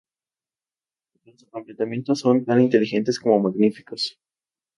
Los acoplamientos son tan inteligente como magníficos".